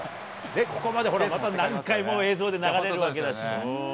ここまでほら、また何回も、映像で流れるわけだし。